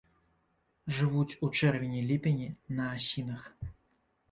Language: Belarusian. Жывуць у чэрвені-ліпені на асінах.